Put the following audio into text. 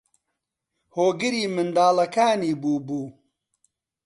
هۆگری منداڵەکانی بووبوو